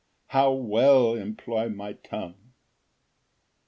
How well employ my tongue!